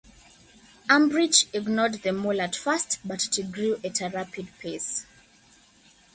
Umbricht ignored the mole at first, but it grew at a rapid pace.